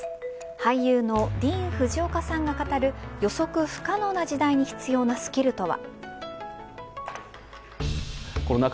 俳優のディーン・フジオカさんが語る予測不可能な時代に必要なスキルとは。